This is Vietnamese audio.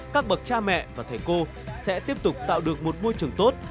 các bậc cha mẹ và thầy cô sẽ tiếp tục tạo được một môi trường tốt